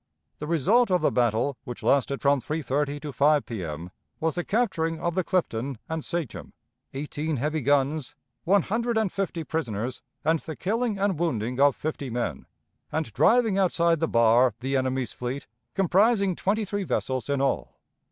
The result of the battle, which lasted from 3.30 to 5 P.M., was the capturing of the Clifton and Sachem, eighteen heavy guns, one hundred and fifty prisoners, and the killing and wounding of fifty men, and driving outside the bar the enemy's fleet, comprising twenty three vessels in all.